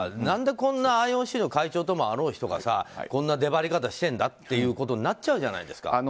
なんでこんなＩＯＣの会長ともあろう人がこんな出張り方してるんだってことになっちゃうじゃないですか。